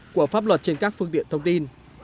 của pháp luật trên các phương tiện thông tin